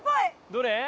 どれ？